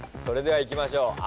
それではいきましょう。